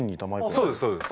そうですそうです。